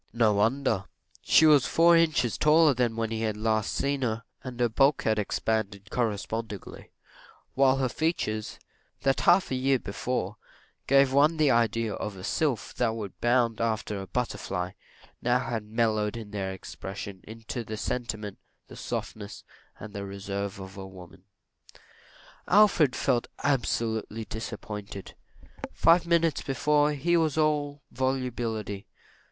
No wonder she was four inches taller than when he had last seen her; and her bulk had expanded correspondingly, while her features, that half a year before gave one the idea of a sylph that would bound after a butterfly, had now mellowed in their expression, into the sentiment, the softness, and the reserve of the woman. Alfred felt absolutely disappointed. Five minutes before, he was all volubility.